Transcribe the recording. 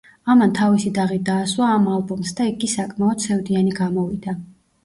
ამან თავისი დაღი დაასვა ამ ალბომს და იგი საკმაოდ სევდიანი გამოვიდა.